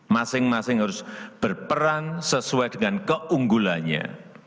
masing masing harus berperan sesuai dengan keunggulannya